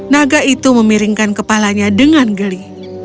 naga itu memiringkan kepalanya dengan geli